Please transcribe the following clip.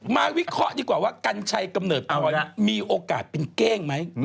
วิเคราะห์ดีกว่าว่ากัญชัยกำเนิดออนมีโอกาสเป็นเก้งไหม